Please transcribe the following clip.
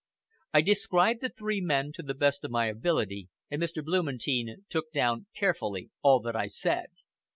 I described the three men to the best of my ability, and Mr. Blumentein took down carefully all that I said.